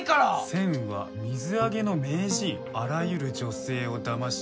「センは水揚げの名人」「あらゆる女性を騙し」